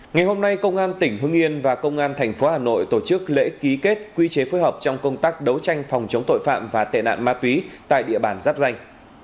ngày hôm nay công an tỉnh hưng yên và công an tp hà nội tổ chức lễ ký kết quy chế phối hợp trong công tác đấu tranh phòng chống tội phạm và tệ nạn ma túy tại địa bàn giáp danh